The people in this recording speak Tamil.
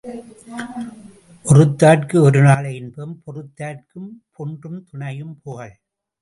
ஒறுத்தார்க்கு ஒரு நாளை இன்பம் பொறுத்தார்க்கும் பொன்றும் துணையும் புகழ்.